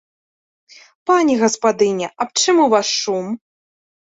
Пані гаспадыня, аб чым у вас шум?